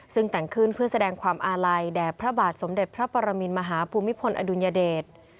ซึ่งแต่งขึ้นเพื่อแสดงความอาลัยแด่พระบาทสมเด็จพระปรมินมหาภูมิพลอดุลยเดช